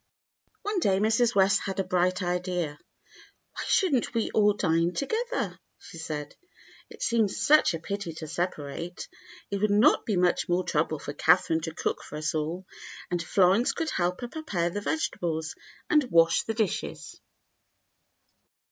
One day Mrs. West had a bright idea. "Why should n't we all dine together.^" she said. "It seems such a pity to separate. It would not be much more trouble for Catherine to cook for us all, and Florence eould help her prepare the vegetables and wash the dishes."